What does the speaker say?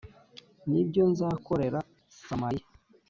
ni byo nzakorera Samariya